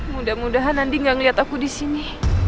mudah mudahan andi gak ngeliat aku disini